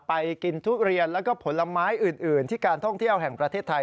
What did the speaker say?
ไปกินทุเรียนแล้วก็ผลไม้อื่นที่การท่องเที่ยวแห่งประเทศไทย